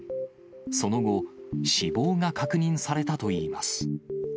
その後、死亡が確認されたといいます。